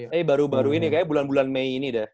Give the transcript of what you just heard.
tapi baru baru ini kayaknya bulan bulan mei ini dah